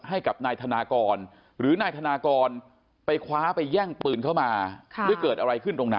ให้กับนายธนากรหรือนายธนากรไปคว้าไปแย่งปืนเข้ามา